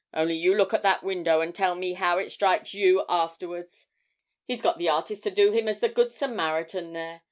Only you look at that window, and tell me how it strikes you afterwards. He's got the artist to do him as the Good Samaritan there!